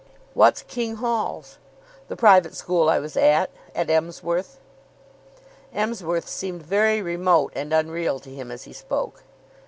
"What's King Hall's?" "The private school I was at. At Emsworth." Emsworth seemed very remote and unreal to him as he spoke.